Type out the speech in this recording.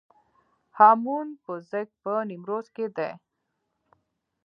هامون پوزک په نیمروز کې دی